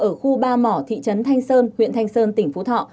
ở khu ba mỏ thị trấn thanh sơn huyện thanh sơn tỉnh phú thọ